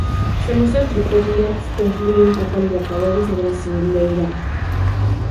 Se muestran tripletes que incluyan Copa Libertadores o Brasileirão.